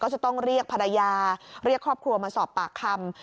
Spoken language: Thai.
จะต้องเรียกภรรยาเรียกครอบครัวมาสอบปากคำ